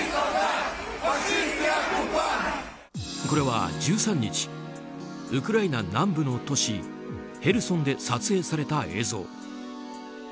これは１３日ウクライナ南部の都市ヘルソンで撮影された映像。